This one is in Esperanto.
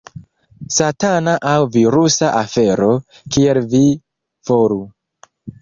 Satana aŭ virusa afero: kiel vi volu.